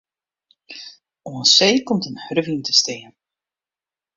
Oan see komt in hurde wyn te stean.